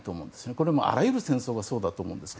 これはあらゆる戦争がそうだと思いますが。